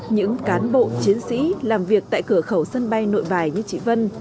những cán bộ chiến sĩ làm việc tại cửa khẩu sân bay nội bài như chị vân